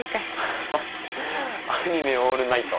ハハッアニメオールナイト。